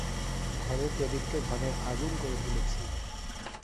ঘরের প্রদীপকে ঘরের আগুন করে তুলেছি।